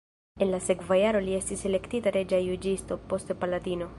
En la sekva jaro li estis elektita reĝa juĝisto, poste palatino.